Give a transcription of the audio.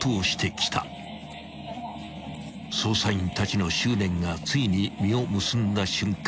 ［捜査員たちの執念がついに実を結んだ瞬間］